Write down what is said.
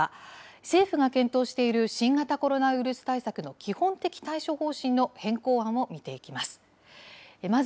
政府が検討している新型コロナウイルス対策の基本的対処方針の変更案を見ていきます。